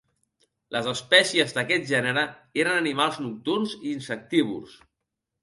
Les espècies d'aquest gènere eren animals nocturns i insectívors.